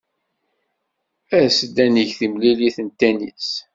As-d ad neg timlilit n tennis.